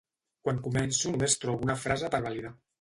Quan començo només trobo una frase per validar